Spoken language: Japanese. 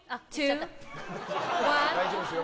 大丈夫ですよ。